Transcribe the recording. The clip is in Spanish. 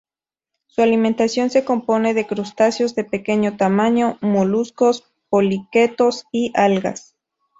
Su alimentación se compone de crustáceos de pequeño tamaño, moluscos, poliquetos y algas.